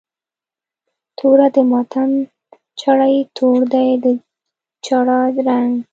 توره د ماتم جړۍ، تور دی د جړا رنګ